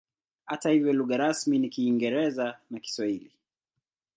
Hata hivyo lugha rasmi ni Kiingereza na Kiswahili.